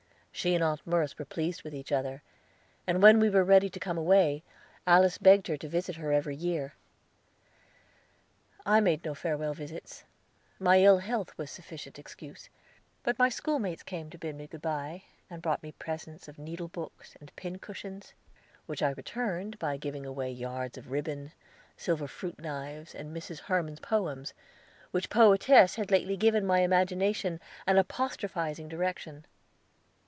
She and Aunt Merce were pleased with each other, and when we were ready to come away, Alice begged her to visit her every year. I made no farewell visits my ill health was sufficient excuse; but my schoolmates came to bid me good bye, and brought presents of needlebooks, and pincushions, which I returned by giving away yards of ribbon, silver fruit knives, and Mrs. Hemans's poems, which poetess had lately given my imagination an apostrophizing direction.